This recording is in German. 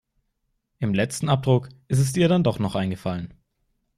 Im letzen Abdruck ist es ihr dann doch noch eingefallen.